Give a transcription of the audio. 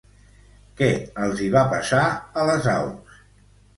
Què els hi va passar a les aus?